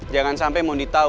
jangan sampe mondi tau